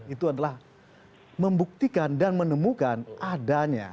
itu adalah membuktikan dan menemukan adanya